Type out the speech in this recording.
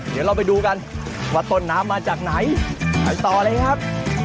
เดี๋ยวเราไปดูกันว่าต้นน้ำมาจากไหนไปต่อเลยครับ